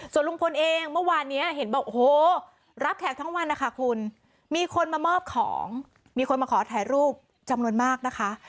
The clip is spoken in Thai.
ส่วนลุงพลเองเมื่อวานนี้เห็นบอกโอ้โหรับแขกทั้งวันนะคะคุณมีคนมามอบของมีคนมาขอถ่ายรูปจำนวนมากนะคะ